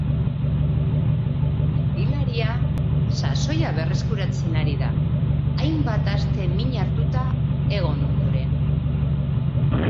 Erdilaria sasoia berreskuratzen ari da, hainbat aste min hartuta egon ondoren.